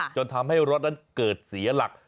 จนทำให้รถนั้นเกิดเสียหลัก